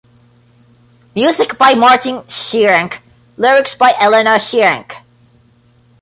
Music by Martin Schirenc, lyrics by Elena Schirenc.